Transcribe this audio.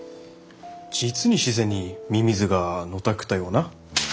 実に自然にミミズがのたくったような。